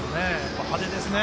派手ですね。